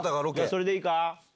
それでいいか？